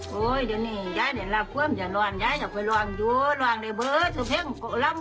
ผู้ใหญ่นี่กลีมากับจ้อนและรวดล้วนที่เพิ่มตาดำ